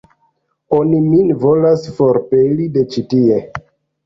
Oni min volas forpeli de ĉi tie.